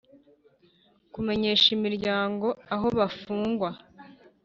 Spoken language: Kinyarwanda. kumenyesha imiryango aho bafungwa